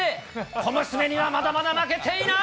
小娘には、まだまだ負けていない。